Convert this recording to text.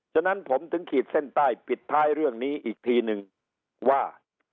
ฉะนั้นผมถึงขีดเส้นใต้ปิดท้ายเรื่องนี้อีกทีนึงว่า